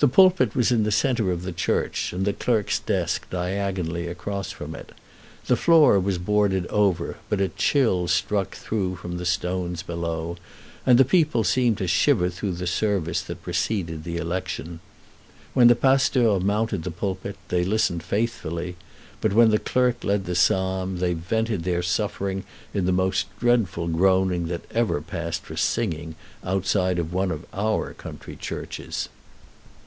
The pulpit was in the centre of the church, and the clerk's desk diagonally across from it. The floor was boarded over, but a chill struck through from the stones below, and the people seemed to shiver through the service that preceded the election. When the pasteur mounted the pulpit they listened faithfully, but when the clerk led the psalm they vented their suffering in the most dreadful groaning that ever passed for singing outside of one of our country churches.